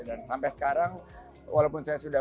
dan sampai sekarang walaupun saya sudah